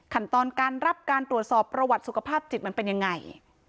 ขั้นตอนการรับการตรวจสอบประวัติสุขภาพจิตมันเป็นยังไง